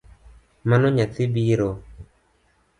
Mano nyathi biro?